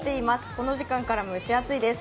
この時間から蒸し暑いです。